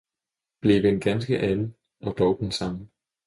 blive en ganske anden og dog den samme!